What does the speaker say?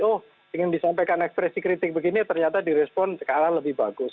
oh ingin disampaikan ekspresi kritik begini ternyata direspon sekarang lebih bagus